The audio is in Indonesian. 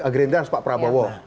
gerindra harus pak prabowo